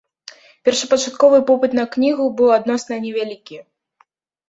Першапачатковы попыт на кнігу быў адносна невялікі.